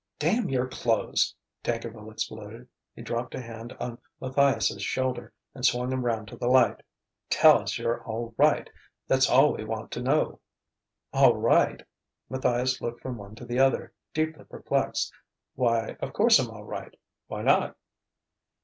"Damn your clothes!" Tankerville exploded. He dropped a hand on Matthias's shoulder and swung him round to the light. "Tell us you're all right that's all we want to know!" "All right?" Matthias looked from one to the other, deeply perplexed. "Why, of course I'm all right. Why not?"